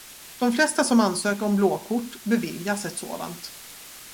De flesta som ansöker om blåkort beviljas ett sådant.